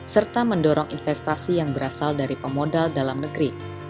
serta mendorong investasi yang berasal dari pemodal dalam negeri